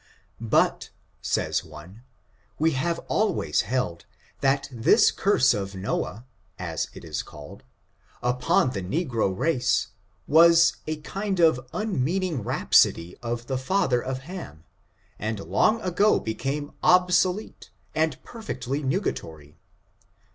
But says one, we have always held that this curse of Noah, as it is called, upon the negro race, was a kind of unmeaning rhapsody of the father of Ham, and long ago became obsolete and perfectly nugatory.